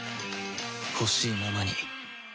ほしいままに